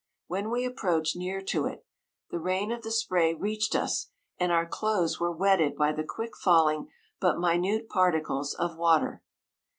When we approached near to it, the rain of the spray reached us, and our clothes were Wetted by the quick falling but minute particles of water.